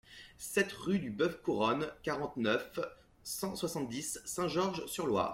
sept rue du Boeuf Couronne, quarante-neuf, cent soixante-dix, Saint-Georges-sur-Loire